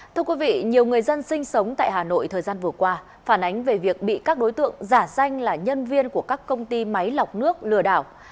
thưa quý vị nhiều người dân sinh sống tại hà nội thời gian vừa qua phản ánh về việc bị các đối tượng giả danh là nhân viên của các công ty máy lọc nước lừa đảo